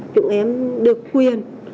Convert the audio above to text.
chúng em được quyền